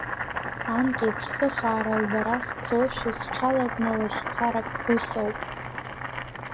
Анкьеиԥш, сыхаара лбара, сцошәа, сҽалакны лашьцарак, ус ауп…